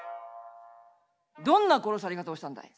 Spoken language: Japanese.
「どんな殺され方をしたんだい」。